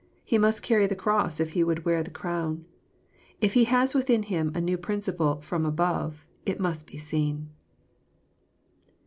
He must carry the cross if he would wear the crown. If he has within him a new prin ciple " from above," it must be seen.